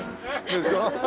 でしょ？